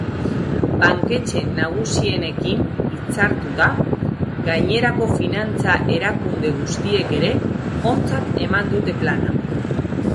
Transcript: Banketxe nagusienekin hitzartuta, gainerako finantza-erakunde guztiek ere ontzat eman dute plana.